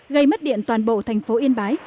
gây mất điện toàn bộ thành phố yên bái